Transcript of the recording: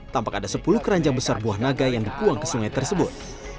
tampak ada sepuluh keranjang besar buah naga yang dibuang ke sungai tersebut